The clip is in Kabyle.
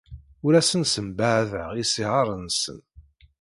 Ur asen-ssembaɛadeɣ isihaṛen-nsen.